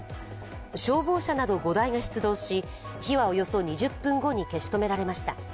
消防車など５台が出動し、火はおよそ２０分後に消し止められました。